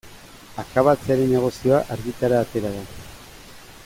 Akabatzearen negozioa argitara atera da.